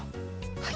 はい。